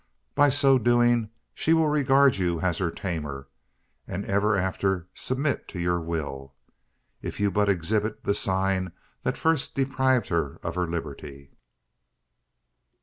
By so doing, she will regard you as her tamer; and ever after submit to your will, if you but exhibit the sign that first deprived her of her liberty."